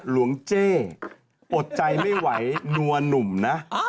หลวงเจ๊อดใจไม่ไหวนัวหนุ่มนะ